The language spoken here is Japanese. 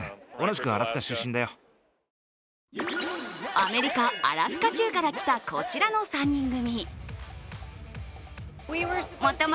アメリカ・アラスカ州から来たこちらの３人組。